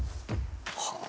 はあ。